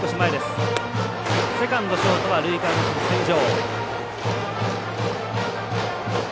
セカンド、ショートは塁間の線上。